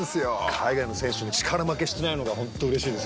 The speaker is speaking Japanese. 海外の選手に力負けしてないのが本当うれしいですよね。